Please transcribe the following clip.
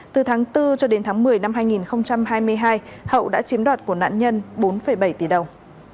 từ tháng bốn cho đến tháng một mươi năm hai nghìn hai mươi hai hậu đã chiếm đoạt của nạn nhân bốn bảy tỷ đồng